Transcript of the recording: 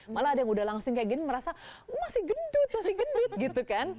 malah ada yang udah langsung kayak gini merasa masih gendut masih gendut gitu kan